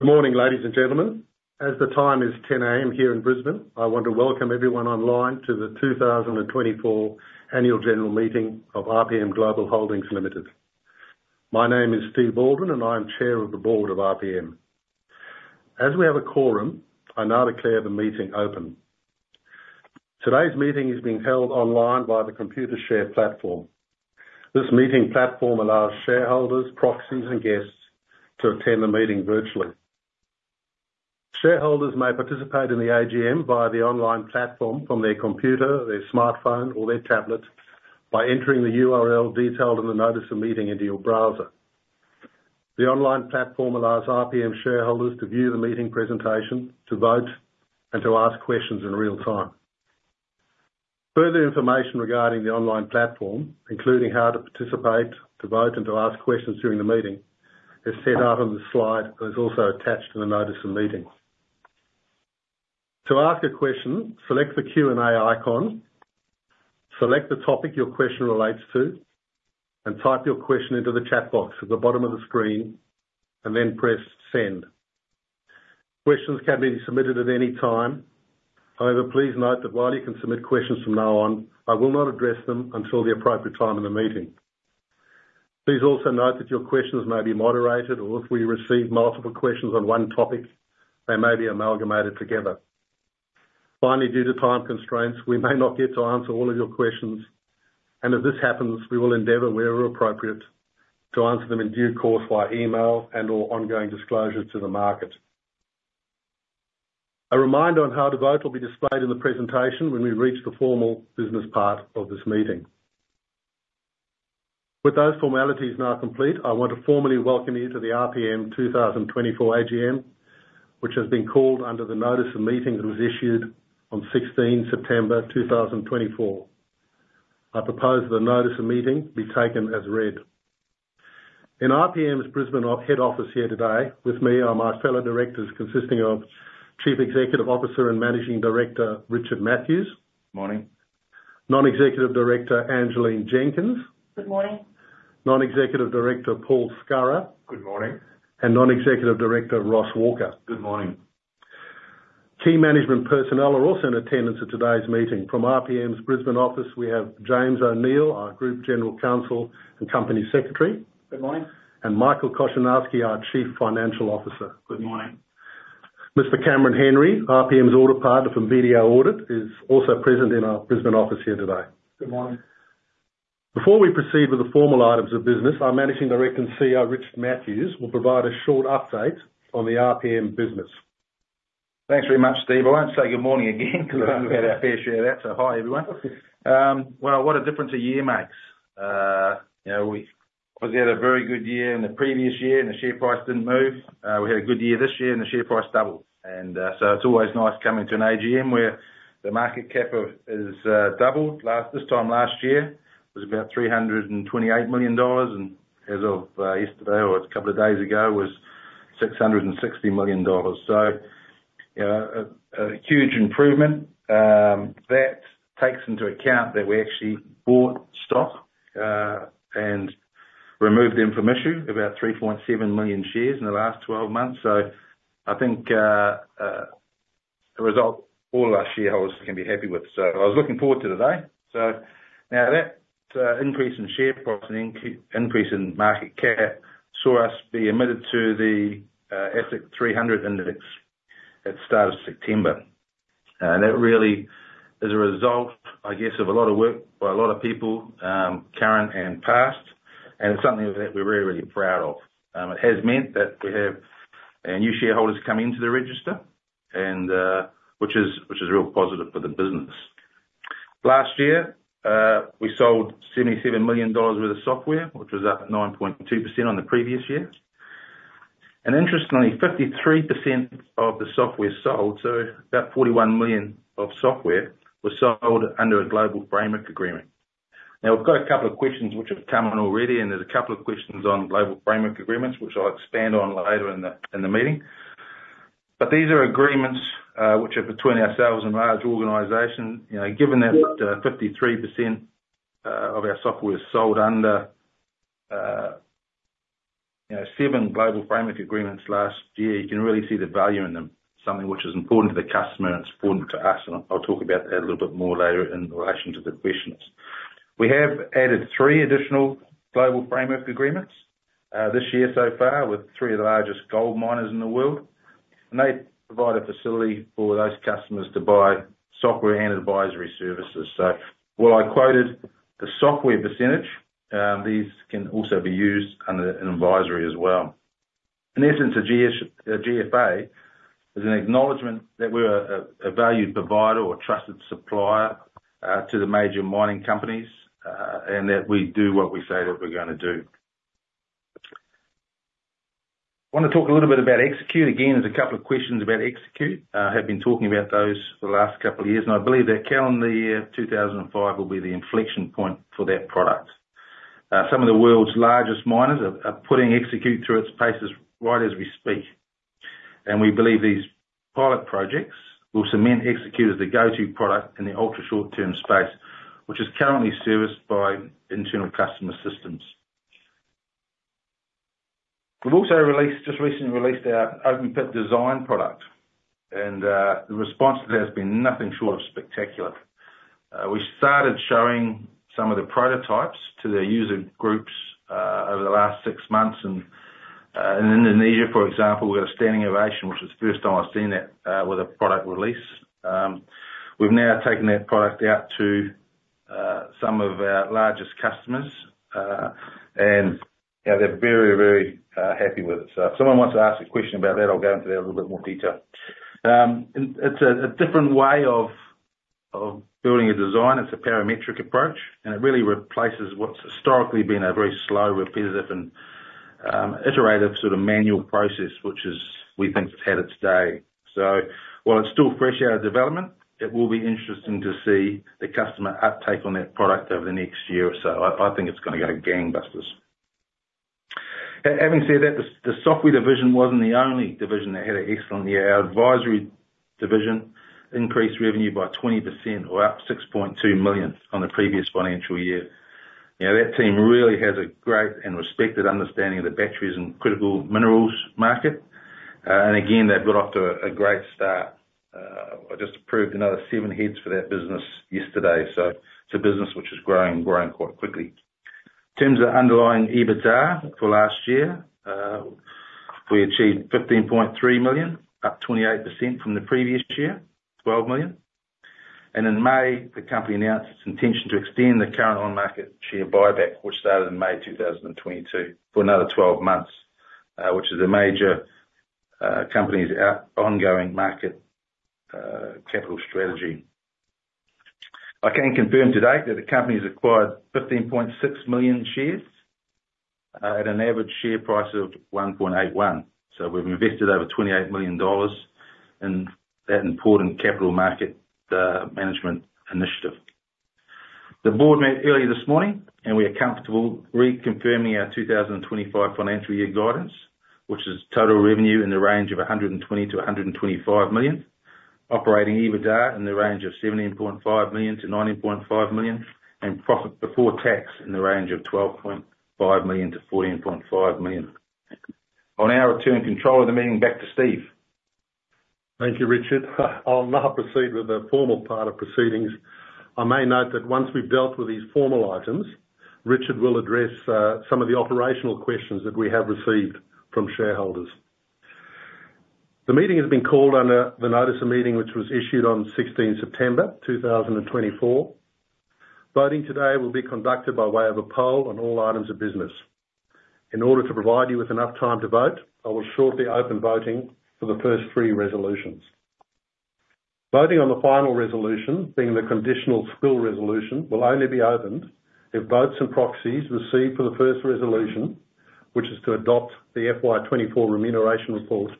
Good morning, ladies and gentlemen. As the time is 10:00 A.M. here in Brisbane, I want to welcome everyone online to the 2024 Annual General Meeting of RPMGlobal Holdings Limited. My name is Steve Baldwin, and I'm Chairman of the board of RPM. As we have a quorum, I now declare the meeting open. Today's meeting is being held online by the Computershare platform. This meeting platform allows shareholders, proxies, and guests to attend the meeting virtually. Shareholders may participate in the AGM via the online platform from their computer, their smartphone, or their tablet by entering the URL detailed in the notice of meeting into your browser. The online platform allows RPM shareholders to view the meeting presentation, to vote, and to ask questions in real time. Further information regarding the online platform, including how to participate, to vote, and to ask questions during the meeting, is set out on the slide and is also attached to the notice of meeting. To ask a question, select the Q&A icon, select the topic your question relates to, and type your question into the chat box at the bottom of the screen, and then press Send. Questions can be submitted at any time. However, please note that while you can submit questions from now on, I will not address them until the appropriate time in the meeting. Please also note that your questions may be moderated, or if we receive multiple questions on one topic, they may be amalgamated together. Finally, due to time constraints, we may not get to answer all of your questions, and if this happens, we will endeavor, where appropriate, to answer them in due course via email and/or ongoing disclosure to the market. A reminder on how to vote will be displayed in the presentation when we reach the formal business part of this meeting. With those formalities now complete, I want to formally welcome you to the RPM 2024 AGM, which has been called under the notice of meeting that was issued on 16th September 2024. I propose the notice of meeting be taken as read. In RPM's Brisbane head office here today with me are my fellow directors, consisting of Chief Executive Officer and Managing Director, Richard Matthews. Morning. Non-Executive Director, Angeleen Jenkins. Good morning. Non-Executive Director, Paul Scurrah. Good morning. Non-Executive Director, Ross Walker. Good morning. Key management personnel are also in attendance at today's meeting. From RPM's Brisbane office, we have James O'Neill, our Group General Counsel and Company Secretary. Good morning. Michael Koops, our Chief Financial Officer. Good morning. Mr. Cameron Henry, RPM's audit partner from BDO Audit, is also present in our Brisbane office here today. Good morning. Before we proceed with the formal items of business, our Managing Director and CEO, Richard Mathews, will provide a short update on the RPM business. Thanks very much, Steve. I won't say good morning again, because we've had our fair share of that, so hi, everyone. Well, what a difference a year makes. You know, obviously, we had a very good year in the previous year, and the share price didn't move. We had a good year this year, and the share price doubled, and so it's always nice coming to an AGM where the market cap has doubled. This time last year, it was about 328 million dollars, and as of yesterday or a couple of days ago, was 660 million dollars. So, you know, a huge improvement. That takes into account that we actually bought stock and removed them from issue, about 3.7 million shares in the last 12 months. So I think, the result, all of our shareholders can be happy with, so I was looking forward to today. So now that, increase in share price and increase in market cap saw us be admitted to the, ASX 300 index at the start of September. And that really is a result, I guess, of a lot of work by a lot of people, current and past, and it's something that we're really, really proud of. It has meant that we have, new shareholders come into the register and, which is, which is real positive for the business. Last year, we sold 77 million dollars worth of software, which was up 9.2% on the previous year. Interestingly, 53% of the software sold, so about 41 million of software, was sold under a Global Framework Agreement. Now, we've got a couple of questions which have come on already, and there's a couple of questions on Global Framework Agreements, which I'll expand on later in the meeting. But these are agreements, which are between ourselves and large organizations. You know, given that, 53% of our software is sold under, you know, seven Global Framework Agreements last year, you can really see the value in them, something which is important to the customer, and it's important to us, and I'll talk about that a little bit more later in relation to the questions. We have added three additional Global Framework Agreements, this year so far, with three of the largest gold miners in the world. And they provide a facility for those customers to buy software and advisory services. So while I quoted the software percentage, these can also be used under an advisory as well. In essence, a GFA is an acknowledgment that we're a valued provider or trusted supplier to the major mining companies, and that we do what we say that we're gonna do. I wanna talk a little bit about Execute. Again, there's a couple of questions about Execute. Have been talking about those for the last couple of years, and I believe that calendar year 2005 will be the inflection point for that product. Some of the world's largest miners are putting Execute through its paces right as we speak, and we believe these-... Pilot projects will cement Execute as the go-to product in the ultra short-term space, which is currently serviced by internal customer systems. We've also just recently released our open pit design product, and the response to that has been nothing short of spectacular. We started showing some of the prototypes to the user groups over the last six months, and in Indonesia, for example, we got a standing ovation, which was the first time I've seen that with a product release. We've now taken that product out to some of our largest customers, and you know, they're very, very happy with it. So if someone wants to ask a question about that, I'll go into that in a little bit more detail. It's a different way of building a design. It's a parametric approach, and it really replaces what's historically been a very slow, repetitive, and iterative sort of manual process, which is, we think has had its day. So while it's still fresh out of development, it will be interesting to see the customer uptake on that product over the next year or so. I think it's gonna go gangbusters. Having said that, the software division wasn't the only division that had an excellent year. Our advisory division increased revenue by 20%, or up 6.2 million on the previous financial year. Now, that team really has a great and respected understanding of the batteries and critical minerals market, and again, they've got off to a great start. I just approved another seven heads for that business yesterday, so it's a business which is growing, and growing quite quickly. In terms of underlying EBITDA for last year, we achieved 15.3 million, up 28% from the previous year, 12 million. And in May, the company announced its intention to extend the current on-market share buyback, which started in May 2022, for another 12 months, which is a major company's ongoing market capital strategy. I can confirm today that the company's acquired 15.6 million shares at an average share price of 1.81. So we've invested over 28 million dollars in that important capital market management initiative. The board met earlier this morning, and we are comfortable reconfirming our 2025 financial year guidance, which is total revenue in the range of 120 million-125 million, operating EBITDA in the range of 17.5 million-19.5 million, and profit before tax in the range of 12.5 million-14.5 million. I'll now return control of the meeting back to Steve. Thank you, Richard. I'll now proceed with the formal part of proceedings. I may note that once we've dealt with these formal items, Richard will address some of the operational questions that we have received from shareholders. The meeting has been called under the Notice of Meeting, which was issued on 16th September 2024. Voting today will be conducted by way of a poll on all items of business. In order to provide you with enough time to vote, I will shortly open voting for the first three resolutions. Voting on the final resolution, being the conditional spill resolution, will only be opened if votes and proxies received for the first resolution, which is to adopt the FY 2024 Remuneration Report,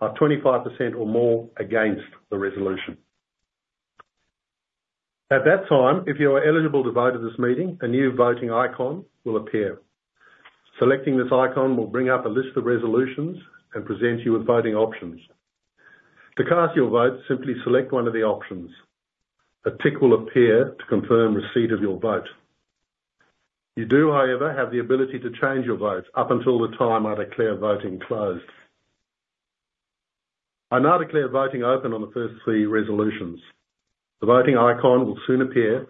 are 25% or more against the resolution. At that time, if you are eligible to vote at this meeting, a new voting icon will appear. Selecting this icon will bring up a list of resolutions and present you with voting options. To cast your vote, simply select one of the options. A tick will appear to confirm receipt of your vote. You do, however, have the ability to change your vote up until the time I declare voting closed. I now declare voting open on the first three resolutions. The voting icon will soon appear.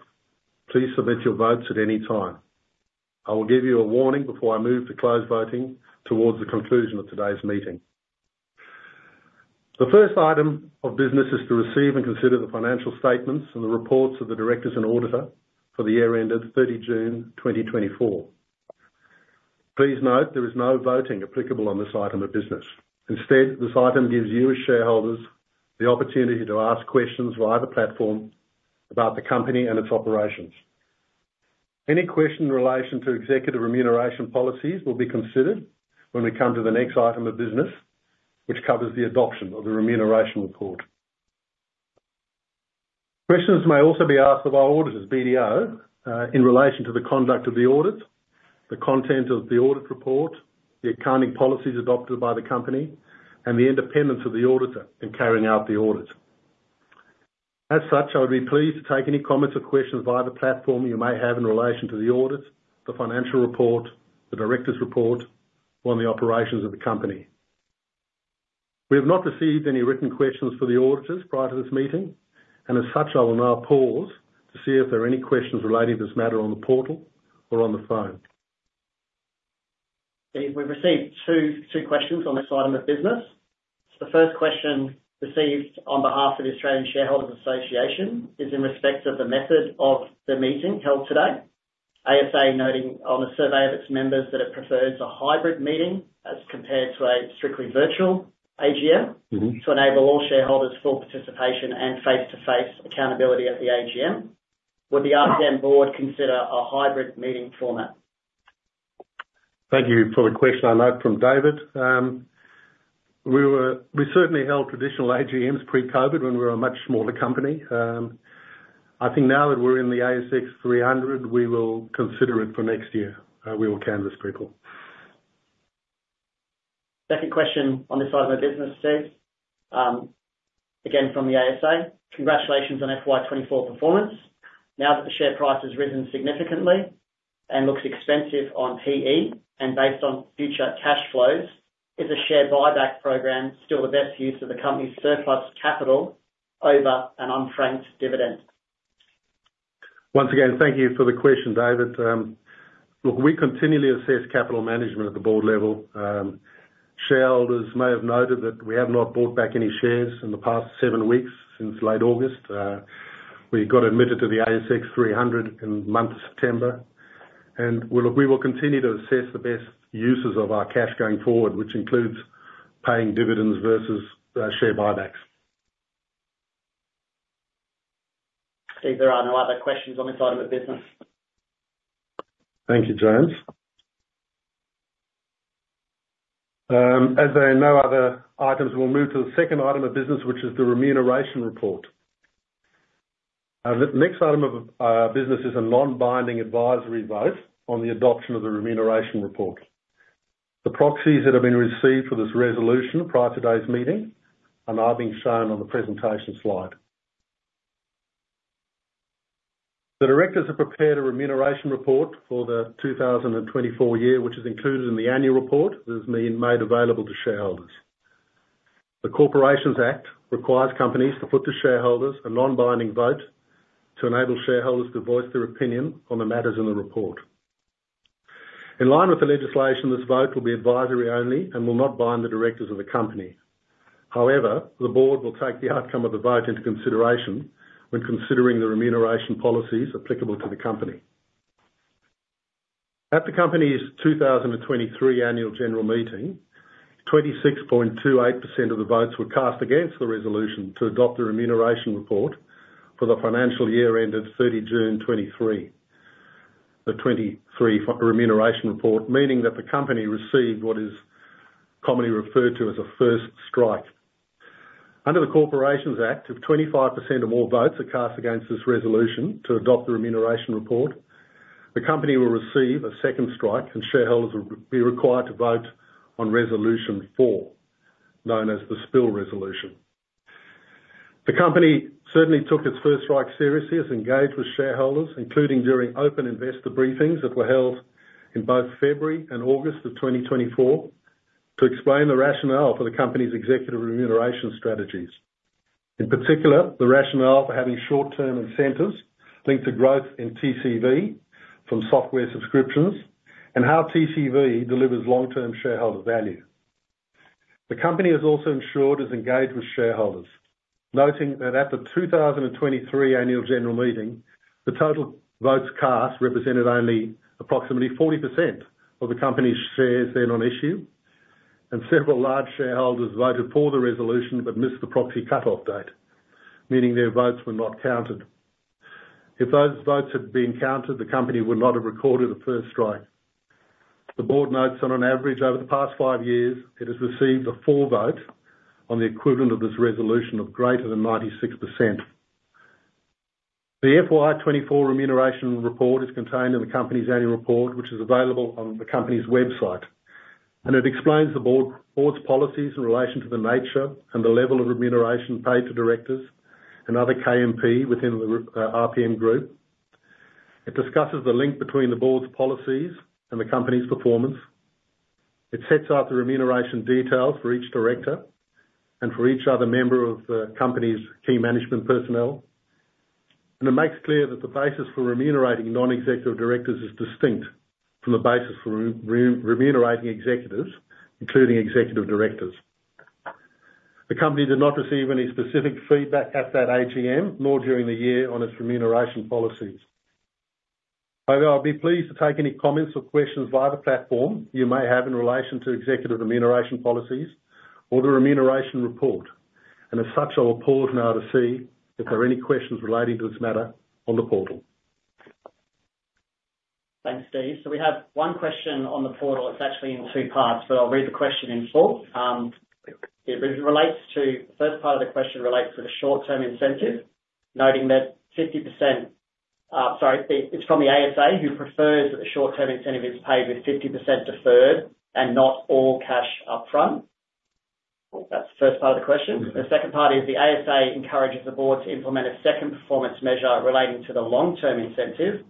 Please submit your votes at any time. I will give you a warning before I move to close voting towards the conclusion of today's meeting. The first item of business is to receive and consider the financial statements and the reports of the directors and auditor for the year ended 30 June 2024. Please note, there is no voting applicable on this item of business. Instead, this item gives you, as shareholders, the opportunity to ask questions via the platform about the company and its operations. Any question in relation to executive remuneration policies will be considered when we come to the next item of business, which covers the adoption of the remuneration report. Questions may also be asked of our auditors, BDO, in relation to the conduct of the audit, the content of the audit report, the accounting policies adopted by the company, and the independence of the auditor in carrying out the audit. As such, I would be pleased to take any comments or questions via the platform you may have in relation to the audit, the financial report, the directors' report, or on the operations of the company. We have not received any written questions for the auditors prior to this meeting, and as such, I will now pause to see if there are any questions relating to this matter on the portal or on the phone. Steve, we've received two questions on this item of business. The first question received on behalf of the Australian Shareholders Association is in respect of the method of the meeting held today. ASA noting on a survey of its members that it prefers a hybrid meeting as compared to a strictly virtual AGM. Mm-hmm. - to enable all shareholders full participation and face-to-face accountability at the AGM. Would the RPM board consider a hybrid meeting format? Thank you for the question, I note from David. We certainly held traditional AGMs pre-COVID when we were a much smaller company. I think now that we're in the ASX 300, we will consider it for next year. We will canvas people.... Second question on this side of the business, Steve, again, from the ASA. Congratulations on FY 2024 performance. Now that the share price has risen significantly and looks expensive on PE and based on future cash flows, is a share buyback program still the best use of the company's surplus capital over an unfranked dividend? Once again, thank you for the question, David. Look, we continually assess capital management at the board level. Shareholders may have noted that we have not bought back any shares in the past seven weeks, since late August. We got admitted to the ASX 300 in the month of September, and well, look, we will continue to assess the best uses of our cash going forward, which includes paying dividends versus share buybacks. Steve, there are no other questions on this side of the business. Thank you, James. As there are no other items, we'll move to the second item of business, which is the remuneration report. The next item of business is a non-binding advisory vote on the adoption of the remuneration report. The proxies that have been received for this resolution prior to today's meeting are now being shown on the presentation slide. The directors have prepared a remuneration report for the 2024, which is included in the annual report that has been made available to shareholders. The Corporations Act requires companies to put to shareholders a non-binding vote to enable shareholders to voice their opinion on the matters in the report. In line with the legislation, this vote will be advisory only and will not bind the directors of the company. However, the board will take the outcome of the vote into consideration when considering the remuneration policies applicable to the company. At the company's 2023 Annual General Meeting, 26.28% of the votes were cast against the resolution to adopt the Remuneration Report for the financial year ended 30 June 2023. The 2023 Remuneration Report, meaning that the company received what is commonly referred to as a first strike. Under the Corporations Act, if 25% or more votes are cast against this resolution to adopt the Remuneration Report, the company will receive a second strike, and shareholders will be required to vote on Resolution Four, known as the Spill Resolution. The company certainly took its first strike seriously, has engaged with shareholders, including during open investor briefings that were held in both February and August of2024, to explain the rationale for the company's executive remuneration strategies. In particular, the rationale for having short-term incentives linked to growth in TCV from software subscriptions and how TCV delivers long-term shareholder value. The company has also ensured it's engaged with shareholders, noting that at the 2023 annual general meeting, the total votes cast represented only approximately 40% of the company's shares then on issue, and several large shareholders voted for the resolution but missed the proxy cutoff date, meaning their votes were not counted. If those votes had been counted, the company would not have recorded a first strike. The board notes that on average over the past five years, it has received a full vote on the equivalent of this resolution of greater than 96%. The FY 2024 remuneration report is contained in the company's annual report, which is available on the company's website, and it explains the board's policies in relation to the nature and the level of remuneration paid to directors and other KMP within the RPM group. It discusses the link between the board's policies and the company's performance. It sets out the remuneration details for each director and for each other member of the company's key management personnel. It makes clear that the basis for remunerating non-executive directors is distinct from the basis for remunerating executives, including executive directors. The company did not receive any specific feedback at that AGM, nor during the year, on its remuneration policies. However, I'll be pleased to take any comments or questions via the platform you may have in relation to executive remuneration policies or the remuneration report. And as such, I will pause now to see if there are any questions relating to this matter on the portal. Thanks, Steve. So we have one question on the portal. It's actually in two parts, but I'll read the question in full. It relates to... The first part of the question relates to the short-term incentive, noting that 50%, it's from the ASA, who prefers that the short-term incentive is paid with 50% deferred and not all cash up front. That's the first part of the question. The second part is, the ASA encourages the board to implement a second performance measure relating to the long-term incentive.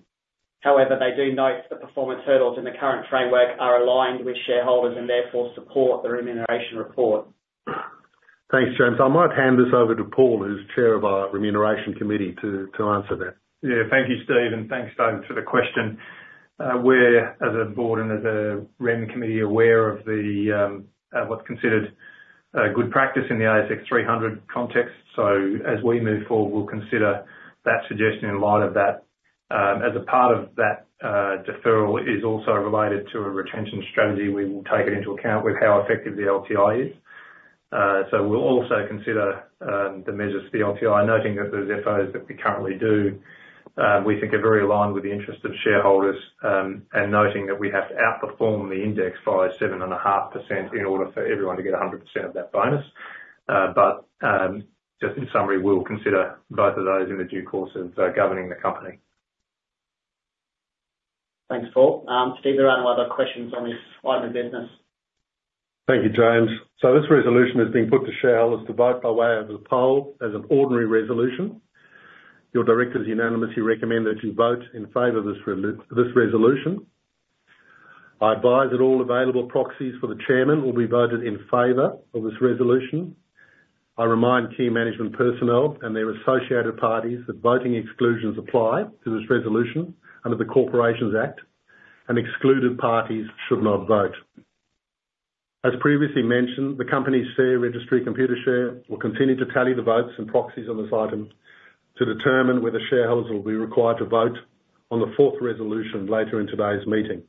However, they do note the performance hurdles in the current framework are aligned with shareholders, and therefore support the remuneration report. Thanks, James. I might hand this over to Paul, who's chair of our Remuneration Committee, to answer that. Yeah. Thank you, Steve, and thanks, David, for the question. We're, as a board and as a REM committee, aware of the, what's considered, good practice in the ASX 300 context. So as we move forward, we'll consider that suggestion in light of that. As a part of that, deferral is also related to a retention strategy, we will take it into account with how effective the LTI is. So we'll also consider, the measures for the LTI, noting that those FOs that we currently do, we think are very aligned with the interests of shareholders, and noting that we have to outperform the index by 7.5% in order for everyone to get 100% of that bonus. But, just in summary, we'll consider both of those in the due course of governing the company. Thanks, Paul. Steve, are there any other questions on this item of business? Thank you, James. So this resolution has been put to shareholders to vote by way of the poll as an ordinary resolution. Your directors unanimously recommend that you vote in favor of this resolution. I advise that all available proxies for the chairman will be voted in favor of this resolution. I remind Key Management Personnel and their associated parties that voting exclusions apply to this resolution under the Corporations Act, and excluded parties should not vote. As previously mentioned, the company's share registry, Computershare, will continue to tally the votes and proxies on this item to determine whether shareholders will be required to vote on the fourth resolution later in today's meeting,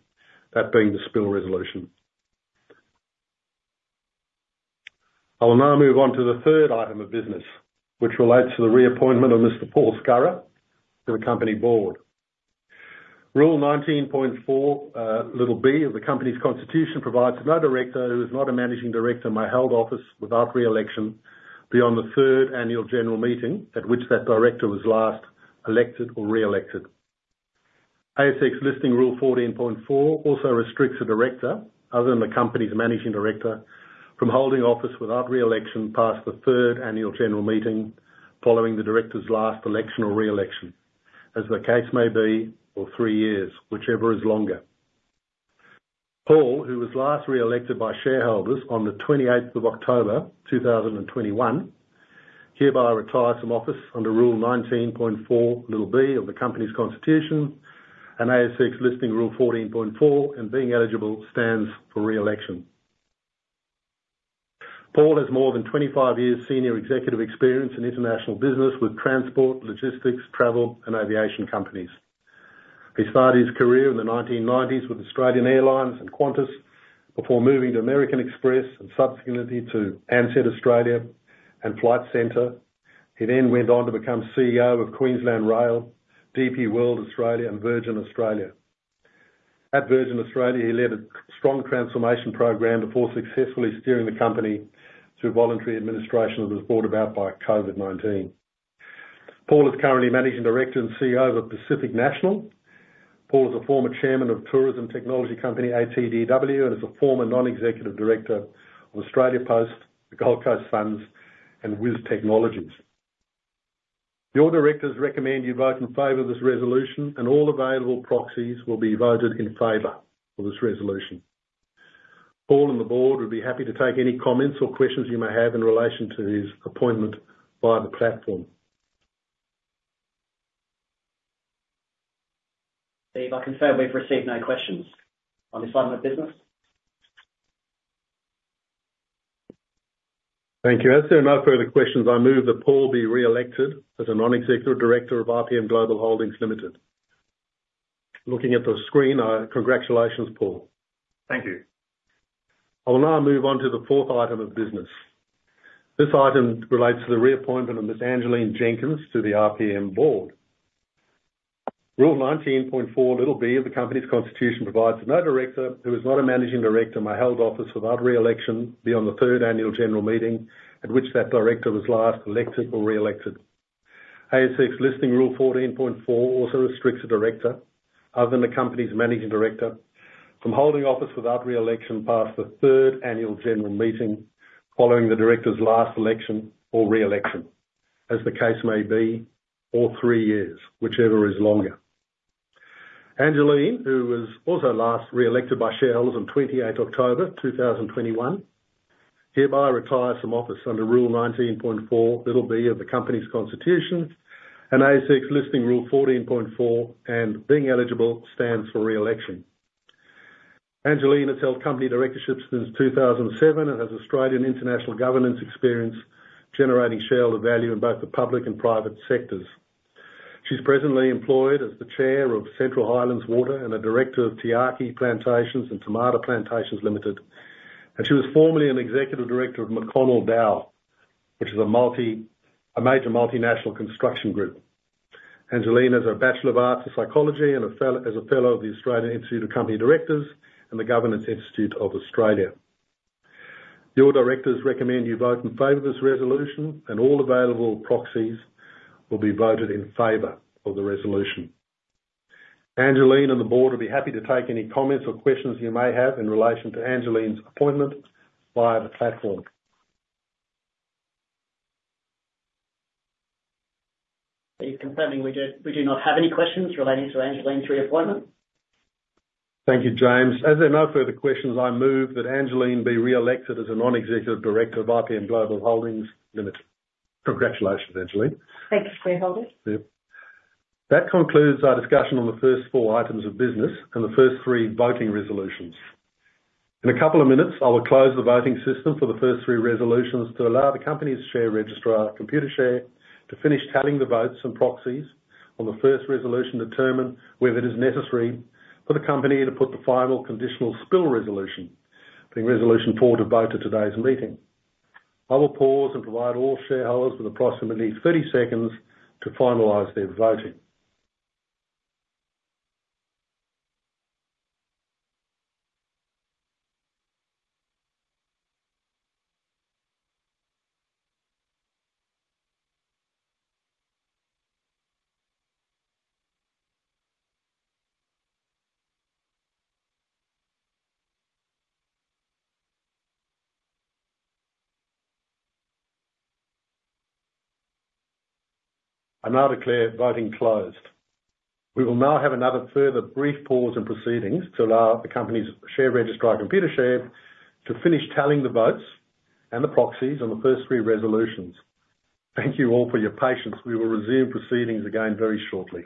that being the spill resolution. I will now move on to the third item of business, which relates to the reappointment of Mr. Paul Scurrah to the company board. Rule 19.4b of the company's constitution provides: No director who is not a managing director may hold office without re-election beyond the third annual general meeting at which that director was last elected or re-elected. ASX Listing Rule 14.4 also restricts a director, other than the company's managing director, from holding office without re-election past the third annual general meeting following the director's last election or re-election, as the case may be, or three years, whichever is longer. Paul, who was last re-elected by shareholders on the 28th of October, 2021, hereby retires from office under Rule 19.4b of the company's constitution and ASX Listing Rule 14.4, and being eligible, stands for re-election. Paul has more than 25 years senior executive experience in international business with transport, logistics, travel, and aviation companies. He started his career in the 1990s with Australian Airlines and Qantas before moving to American Express and subsequently to Ansett Australia and Flight Centre. He then went on to become CEO of Queensland Rail, DP World Australia, and Virgin Australia. At Virgin Australia, he led a strong transformation program before successfully steering the company through voluntary administration that was brought about by COVID-19. Paul is currently Managing Director and CEO of Pacific National. Paul is a former Chairman of tourism technology company ATDW and is a former non-executive director of Australia Post, the Gold Coast Suns, and WiseTech Global. Your directors recommend you vote in favor of this resolution, and all available proxies will be voted in favor of this resolution. Paul and the board would be happy to take any comments or questions you may have in relation to his appointment via the platform. Steve, I confirm we've received no questions on this item of business. Thank you. As there are no further questions, I move that Paul be re-elected as a non-executive director of RPM Global Holdings Limited. Looking at the screen, congratulations, Paul. Thank you. I will now move on to the fourth item of business. This item relates to the reappointment of Ms. Angeleen Jenkins to the RPM board. Rule 19.4(b) of the company's constitution provides: No director who is not a managing director may hold office without re-election beyond the third annual general meeting at which that director was last elected or re-elected. ASX Listing Rule 14.4 also restricts a director, other than the company's managing director, from holding office without re-election past the third annual general meeting, following the director's last election or re-elected, as the case may be, or three years, whichever is longer. Angeleen, who was also last re-elected by shareholders on 28th October, 2021, hereby retires from office under Rule 19.4(b) of the company's constitution and ASX Listing Rule 14.4, and being eligible, stands for re-election. Angeleen has held company directorships since 2007 and has Australian international governance experience, generating shareholder value in both the public and private sectors. She's presently employed as the Chair of Central Highlands Water and a director of Tiaki Plantations Company, and she was formerly an executive director of McConnell Dowell, which is a major multinational construction group. Angeleen has a Bachelor of Arts in Psychology and is a fellow of the Australian Institute of Company Directors and the Governance Institute of Australia. Your directors recommend you vote in favor of this resolution, and all available proxies will be voted in favor of the resolution. Angeleen and the board will be happy to take any comments or questions you may have in relation to Angeleen's appointment via the platform. He's confirming we do not have any questions relating to Angeleen's reappointment. Thank you, James. As there are no further questions, I move that Angeleen be re-elected as a non-executive director of RPM Global Holdings Limited. Congratulations, Angeleen. Thanks, shareholders. That concludes our discussion on the first four items of business and the first three voting resolutions. In a couple of minutes, I will close the voting system for the first three resolutions to allow the company's share registrar, Computershare, to finish tallying the votes and proxies on the first resolution, to determine whether it is necessary for the company to put the final conditional spill resolution, being Resolution Four, to vote at today's meeting. I will pause and provide all shareholders with approximately thirty seconds to finalize their voting... I now declare voting closed. We will now have another further brief pause in proceedings to allow the company's share registrar, Computershare, to finish tallying the votes and the proxies on the first three resolutions. Thank you all for your patience. We will resume proceedings again very shortly...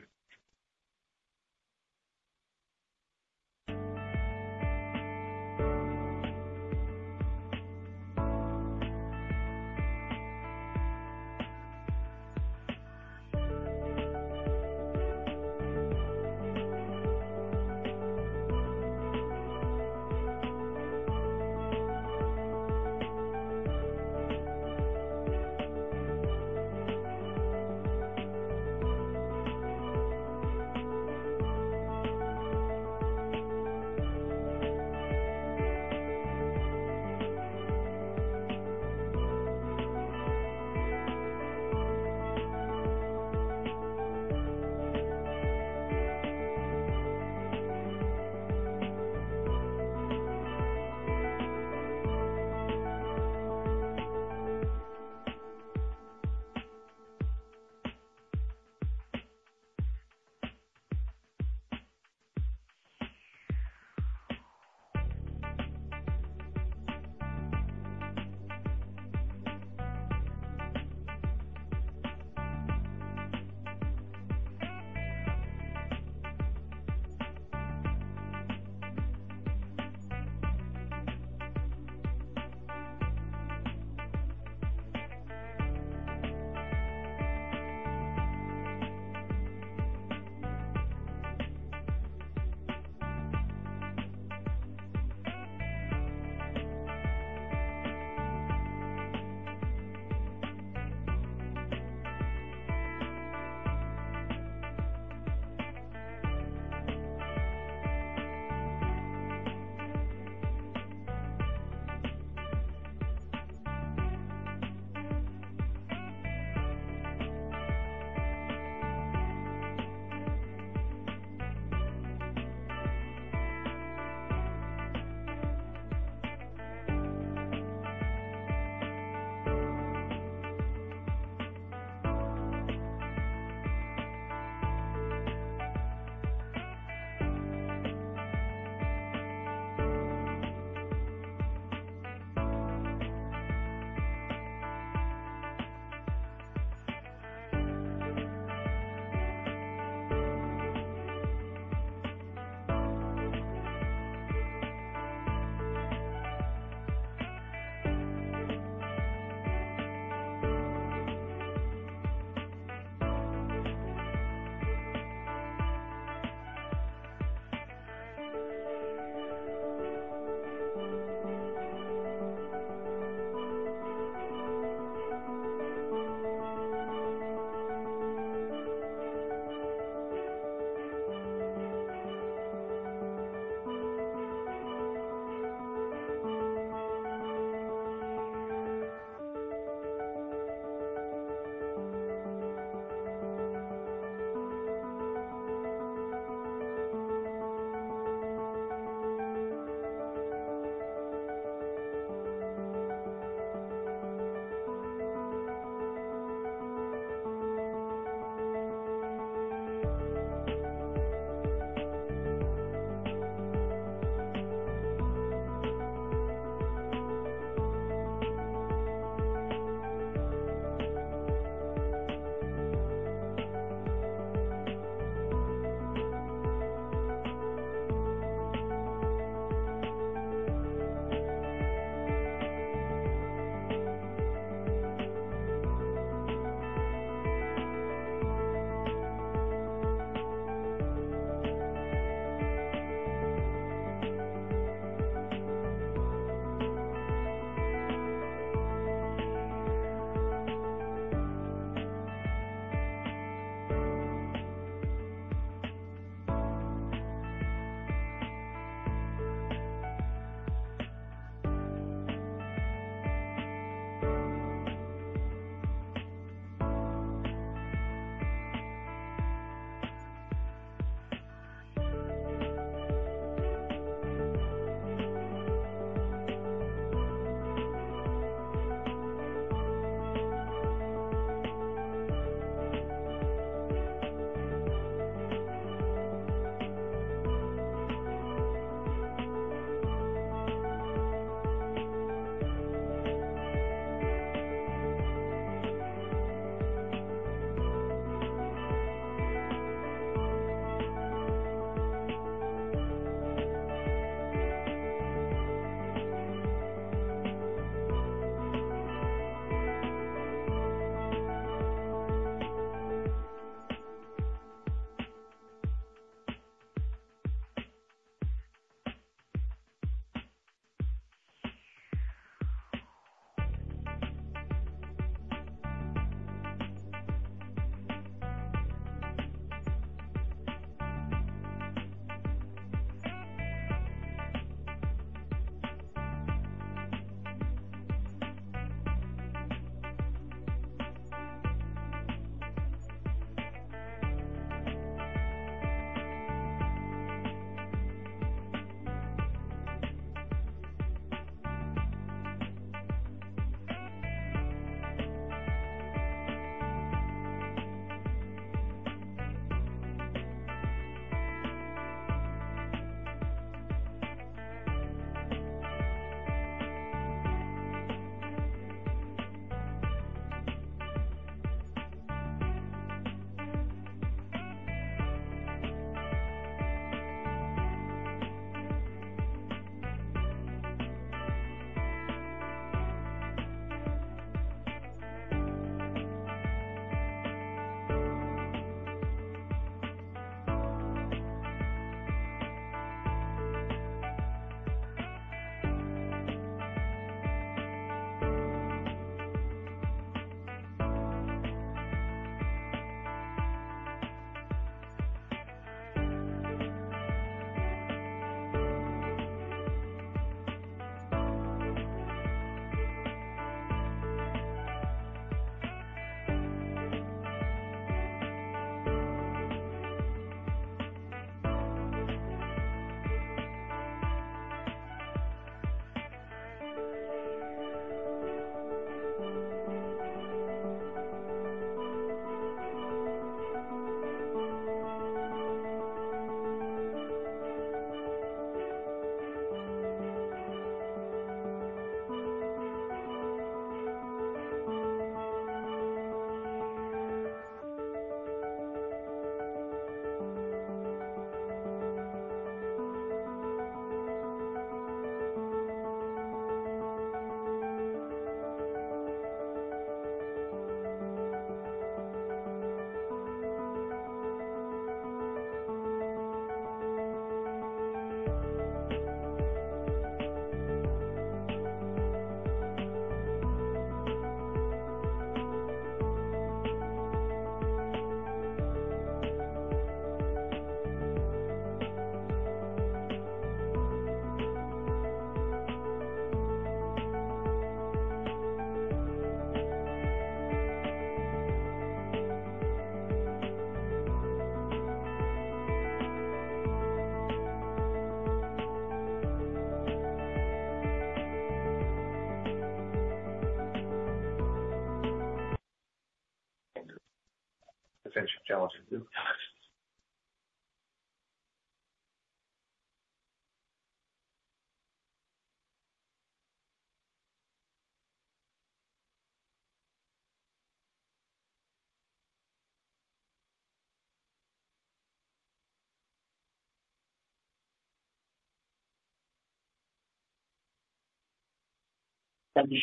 Thank you,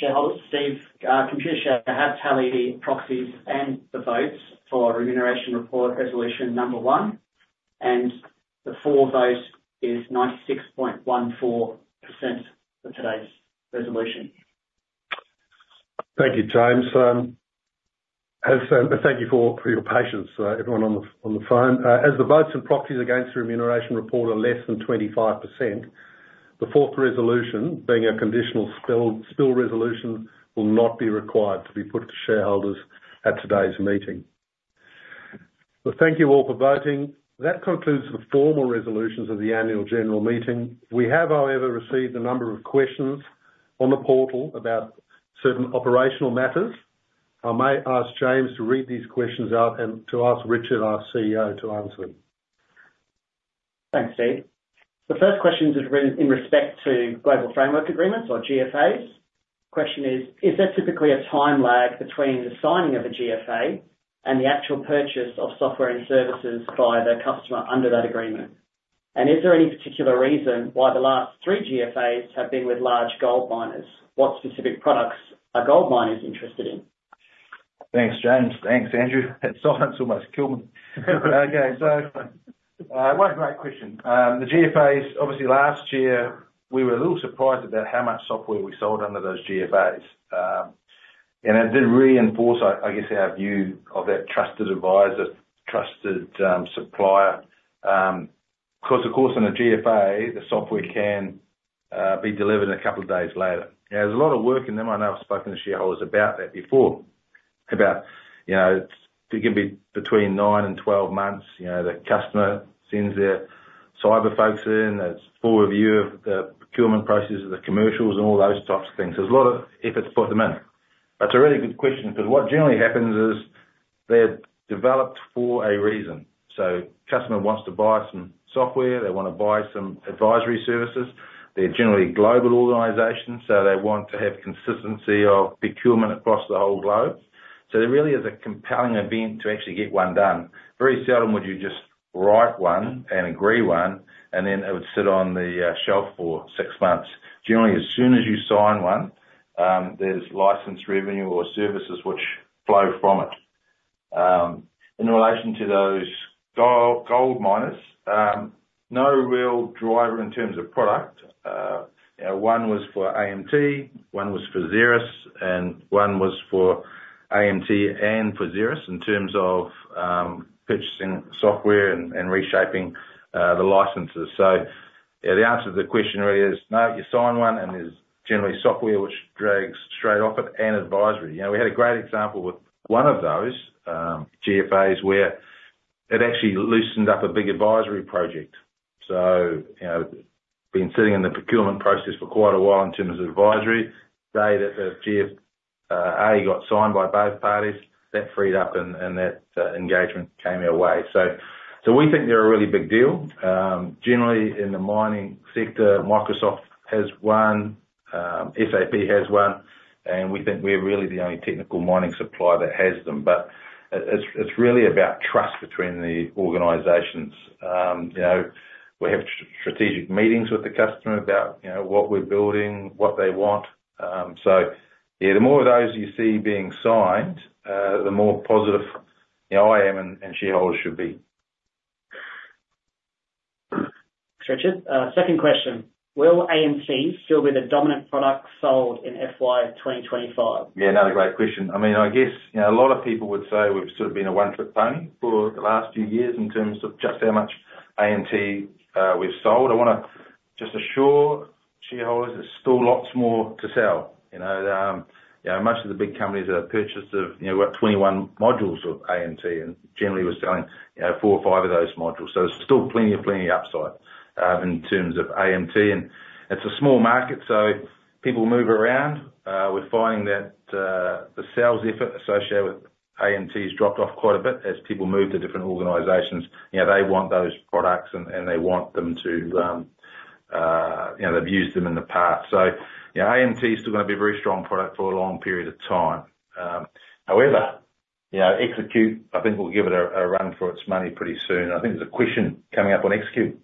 Steve. Computershare have tallied the proxies and the votes for remuneration report resolution number one, and the for vote is 96.14% for today's resolution. Thank you, James. Thank you for your patience, everyone on the phone. As the votes and proxies against the Remuneration Report are less than 25%, the fourth resolution, being a conditional spill resolution, will not be required to be put to shareholders at today's meeting. Well, thank you all for voting. That concludes the formal resolutions of the Annual General Meeting. We have, however, received a number of questions on the portal about certain operational matters. I may ask James to read these questions out and to ask Richard, our CEO, to answer them. Thanks, Steve. The first question is written in respect to Global Framework Agreements or GFAs. Question is: Is there typically a time lag between the signing of a GFA and the actual purchase of software and services by the customer under that agreement? And is there any particular reason why the last three GFAs have been with large gold miners? What specific products are gold miners interested in? Thanks, James. Thanks, Andrew. That silence almost killed me. Okay, so, what a great question. The GFAs, obviously, last year, we were a little surprised about how much software we sold under those GFAs. And it did reinforce our, I guess, our view of that trusted advisor, trusted supplier. 'Cause of course, in a GFA, the software can be delivered a couple of days later. There's a lot of work in them. I know I've spoken to shareholders about that before, about, you know, it can be between nine and 12 months. You know, the customer sends their cyber folks in, a full review of the procurement process, the commercials and all those types of things. There's a lot of efforts to put them in. That's a really good question, because what generally happens is they're developed for a reason. So customer wants to buy some software, they wanna buy some advisory services. They're generally global organizations, so they want to have consistency of procurement across the whole globe. So there really is a compelling event to actually get one done. Very seldom would you just write one and agree one, and then it would sit on the shelf for six months. Generally, as soon as you sign one, there's license revenue or services which flow from it. In relation to those gold, gold miners, no real driver in terms of product. One was for AMT, one was for XERAS, and one was for AMT and for XERAS in terms of purchasing software and reshaping the licenses. So, yeah, the answer to the question really is, no, you sign one, and there's generally software which drags straight off it, and advisory. You know, we had a great example with one of those GFAs, where it actually loosened up a big advisory project. So, you know, been sitting in the procurement process for quite a while in terms of advisory. The day that the GFA got signed by both parties, that freed up, and that engagement came our way. So we think they're a really big deal. Generally, in the mining sector, Microsoft has one, SAP has one, and we think we're really the only technical mining supplier that has them, but it's really about trust between the organizations. You know, we have strategic meetings with the customer about, you know, what we're building, what they want. So yeah, the more of those you see being signed, the more positive, you know, I am and shareholders should be. Thanks, Richard. Second question: Will AMT still be the dominant product sold in FY 2025? Yeah, another great question. I mean, I guess, you know, a lot of people would say we've sort of been a one-trick pony for the last few years in terms of just how much AMT we've sold. I wanna just assure shareholders there's still lots more to sell, you know? You know, most of the big companies that have purchased of, you know, what, 21 modules of AMT, and generally was selling, you know, four or five of those modules. So there's still plenty, plenty upside in terms of AMT. And it's a small market, so people move around. We're finding that the sales effort associated with AMT has dropped off quite a bit as people move to different organizations. You know, they want those products and, and they want them to. You know, they've used them in the past. So, you know, AMT is still gonna be a very strong product for a long period of time. However, you know, Execute, I think will give it a run for its money pretty soon. I think there's a question coming up on Execute.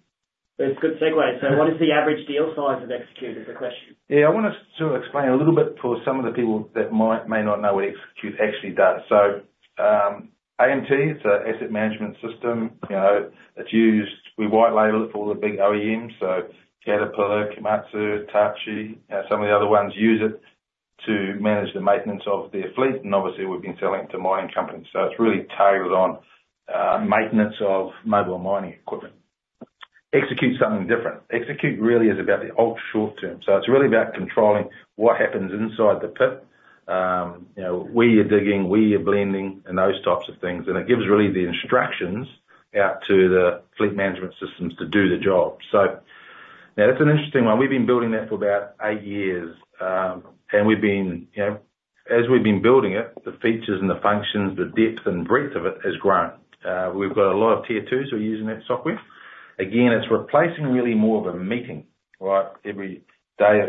That's a good segue. Yeah. So what is the average deal size of Execute, is the question? Yeah, I want to sort of explain a little bit for some of the people that may not know what Execute actually does. So, AMT, it's an asset management system, you know, it's used, we white label it for all the big OEMs, so Caterpillar, Komatsu, Hitachi, some of the other ones use it to manage the maintenance of their fleet, and obviously we've been selling it to mining companies. So it's really tailored on, maintenance of mobile mining equipment. Execute's something different. Execute really is about the ultra short term, so it's really about controlling what happens inside the pit. You know, where you're digging, where you're blending, and those types of things. And it gives really the instructions out to the fleet management systems to do the job. So now that's an interesting one. We've been building that for about eight years. And we've been, you know, as we've been building it, the features and the functions, the depth and breadth of it has grown. We've got a lot of Tier Twos who are using that software. Again, it's replacing really more of a meeting, right? Every day,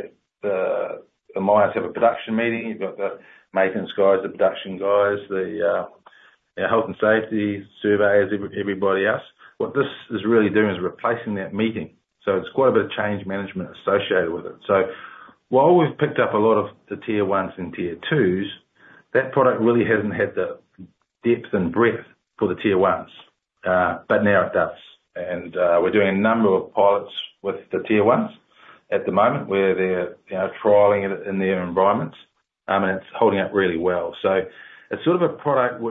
the miners have a production meeting. You've got the maintenance guys, the production guys, the health and safety surveyors, everybody else. What this is really doing is replacing that meeting, so it's quite a bit of change management associated with it. So while we've picked up a lot of the Tier Ones and Tier Twos, that product really hasn't had the depth and breadth for the Tier Ones. But now it does, and we're doing a number of pilots with the Tier Ones at the moment, where they're, you know, trialing it in their environments, and it's holding up really well. So it's sort of a product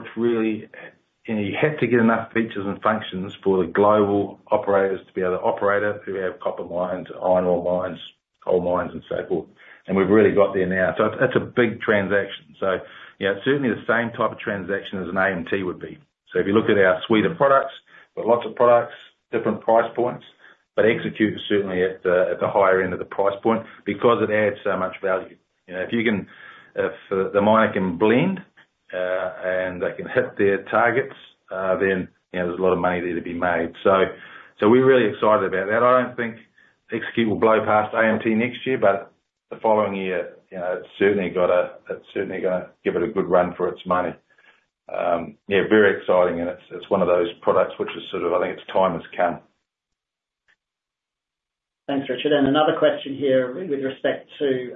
which really, you know, you have to get enough features and functions for the global operators to be able to operate it, who have copper mines, iron ore mines, gold mines, and so forth. And we've really got there now. So it's a big transaction. So, you know, it's certainly the same type of transaction as an AMT would be. So if you look at our suite of products, we've got lots of products, different price points, but Execute is certainly at the, at the higher end of the price point, because it adds so much value. You know, if you can... If the miner can blend and they can hit their targets, then, you know, there's a lot of money there to be made. So, so we're really excited about that. I don't think Execute will blow past AMT next year, but the following year, you know, it's certainly gotta, it's certainly gonna give it a good run for its money. Yeah, very exciting, and it's, it's one of those products which is sort of... I think its time has come. Thanks, Richard. And another question here with respect to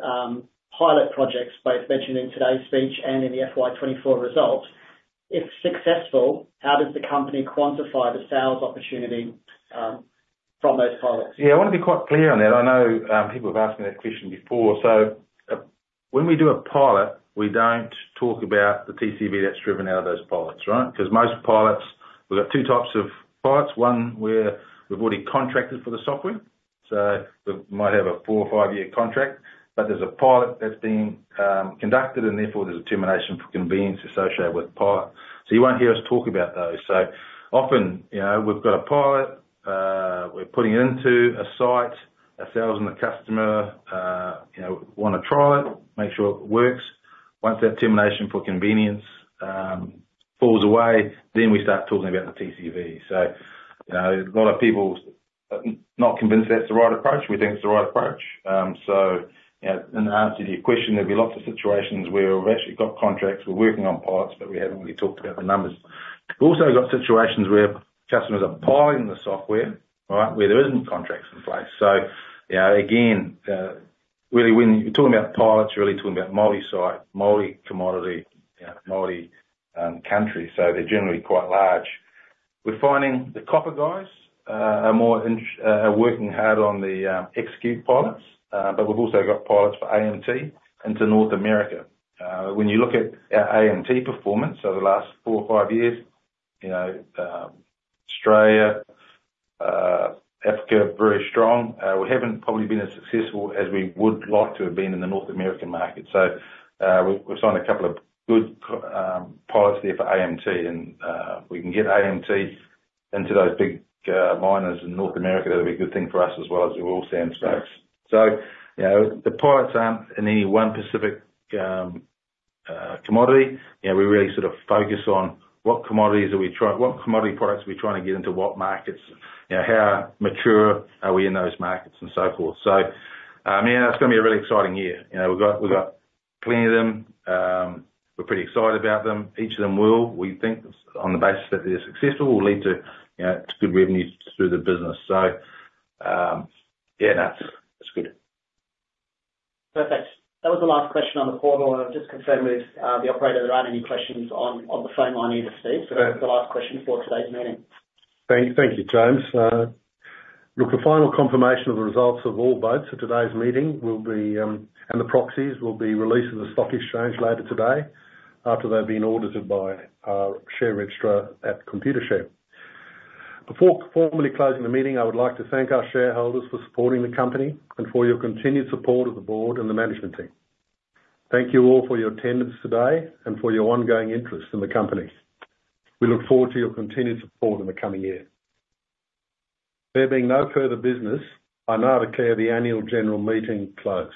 pilot projects, both mentioned in today's speech and in the FY 2024 results. If successful, how does the company quantify the sales opportunity from those pilots? Yeah, I want to be quite clear on that. I know people have asked me that question before. So when we do a pilot, we don't talk about the TCV that's driven out of those pilots, right? Because most pilots, we've got two types of pilots: one, where we've already contracted for the software, so we might have a 4-5 year contract, but there's a pilot that's being conducted, and therefore there's a termination for convenience associated with the pilot. So you won't hear us talk about those. So often, you know, we've got a pilot, we're putting it into a site, a sales and the customer, you know, wanna try it, make sure it works. Once that termination for convenience falls away, then we start talking about the TCV. So, you know, a lot of people are not convinced that's the right approach. We think it's the right approach. So, you know, and to answer your question, there'll be lots of situations where we've actually got contracts, we're working on pilots, but we haven't really talked about the numbers. We've also got situations where customers are piloting the software, right? Where there isn't contracts in place. So, you know, again, really when you're talking about pilots, you're really talking about multi-site, multi-commodity, you know, multi-country, so they're generally quite large. We're finding the copper guys are more interested, are working hard on the Execute pilots, but we've also got pilots for AMT into North America. When you look at our AMT performance over the last four or five years, you know, Australia, Africa, very strong. We haven't probably been as successful as we would like to have been in the North American market. So, we've signed a couple of good pilots there for AMT, and we can get AMT into those big miners in North America. That'll be a good thing for us, as well as for all end users. So, you know, the pilots aren't in any one specific commodity. You know, we really sort of focus on what commodity products are we trying to get into what markets? You know, how mature are we in those markets, and so forth. So, yeah, it's gonna be a really exciting year. You know, we've got plenty of them. We're pretty excited about them. Each of them will, we think, on the basis that they're successful, will lead to, you know, to good revenues through the business. So, yeah, that's, it's good. Perfect. That was the last question on the floor, and I've just confirmed with the operator there aren't any questions on the phone line either, Steve. Okay. So that's the last question for today's meeting. Thank you, James. Look, the final confirmation of the results of all votes for today's meeting and the proxies will be released to the stock exchange later today, after they've been audited by our share registrar at Computershare. Before formally closing the meeting, I would like to thank our shareholders for supporting the company, and for your continued support of the board and the management team. Thank you all for your attendance today, and for your ongoing interest in the company. We look forward to your continued support in the coming year. There being no further business, I now declare the Annual General Meeting closed.